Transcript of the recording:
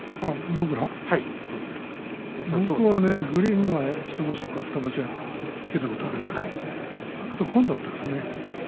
僕はグリーンを１場所か２場所つけたことがあるけれども紺だったね。